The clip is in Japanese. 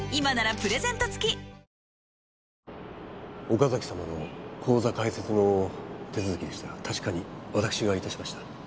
岡崎様の口座開設の手続きでしたら確かにわたくしが致しました。